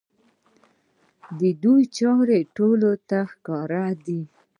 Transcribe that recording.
د دوی چارې ټولو ته ښکاره دي.